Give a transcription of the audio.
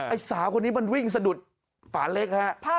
ไอ้สาวคนนี้มันวิ่งสะดุดฝาเล็กฮะ